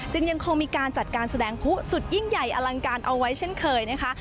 ยังคงมีการจัดการแสดงผู้สุดยิ่งใหญ่อลังการเอาไว้เช่นเคยนะคะ